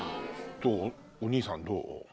お兄さんどう？